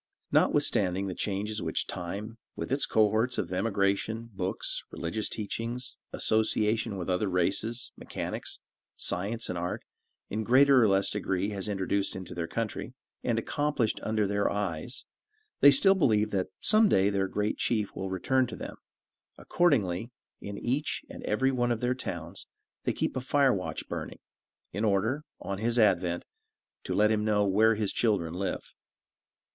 Not withstanding the changes which time, with its cohorts of emigration, books, religious teachings, association with other races, mechanics, science and art, in greater or less degree, has introduced into their country, and accomplished under their eyes, they still believe that some day their great chief will return to them; accordingly, in each and every one of their towns, they keep a watch fire burning, in order, on his advent, to let him know where his children live.